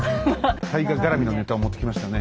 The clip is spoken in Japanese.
大河絡みのネタを持ってきましたね。